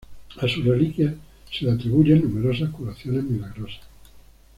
A sus reliquias se le atribuyen numerosas curaciones milagrosas.